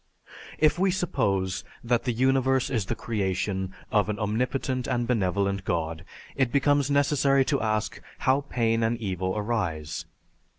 "If we suppose that the universe is the creation of an Omnipotent and Benevolent God, it becomes necessary to ask how pain and evil arise.